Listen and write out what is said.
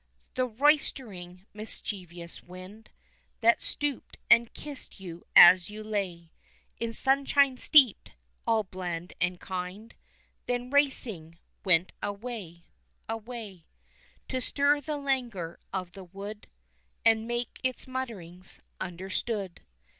The roystering, mischievous wind That stooped and kissed you as you lay In sunshine steeped all bland and kind Then racing, went away away To stir the languor of the wood, And make its mutterings understood.